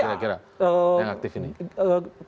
yang aktif ini